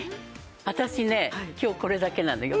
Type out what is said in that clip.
私ね今日これだけなのよ